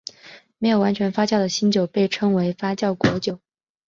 没有完全发酵的新酒被称为发酵果酒。